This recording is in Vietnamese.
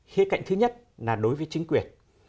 khía cạnh thứ nhất là đối với chính quyền